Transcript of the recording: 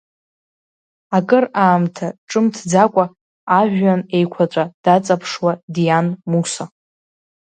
Акыр аамҭа ҿымҭӡакәа ажәҩан еиқәаҵәа даҵаԥшуа диан Муса.